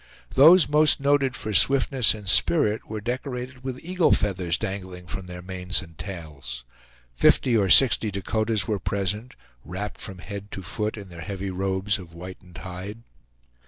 Those most noted for swiftness and spirit were decorated with eagle feathers dangling from their manes and tails. Fifty or sixty Dakotas were present, wrapped from head to foot in their heavy robes of whitened hide.